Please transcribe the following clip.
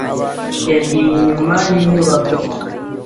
Yagiye inyuma yinyubako.